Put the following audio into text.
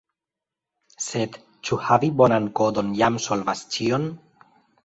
Sed ĉu havi bonan kodon jam solvas ĉion?